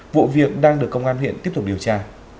vụ việc đang được công an huyện tiếp tục điều tra